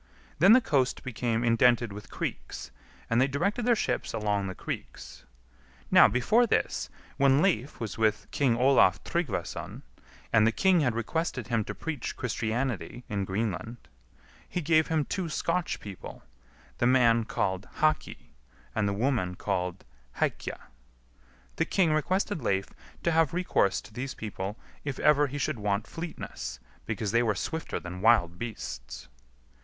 Then the coast became indented with creeks, and they directed their ships along the creeks. Now, before this, when Leif was with King Olaf Tryggvason, and the king had requested him to preach Christianity in Greenland, he gave him two Scotch people, the man called Haki, and the woman called Hækja. The king requested Leif to have recourse to these people if ever he should want fleetness, because they were swifter than wild beasts.